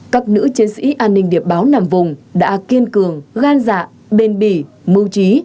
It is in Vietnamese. các nữ chiến sĩ an ninh điệp báo nằm vùng đã kiên cường gan dạ bền bỉ mưu trí